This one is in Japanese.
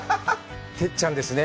鉄ちゃんですね。